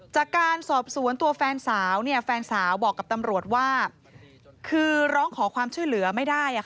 จากการสอบสวนตัวแฟนสาวแฟนสาวบอกกับตำรวจว่าคือร้องขอความช่วยเหลือไม่ได้